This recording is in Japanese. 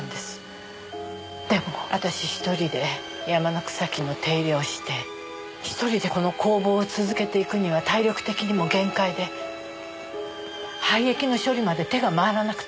でも私１人で山の草木の手入れをして１人でこの工房を続けていくには体力的にも限界で廃液の処理まで手が回らなくて。